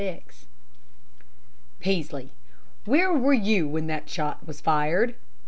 ] VI "Peaslee, where were you when that shot was fired?"